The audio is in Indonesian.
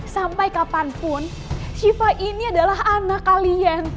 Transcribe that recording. sampai kapanpun shiva ini adalah anak kalian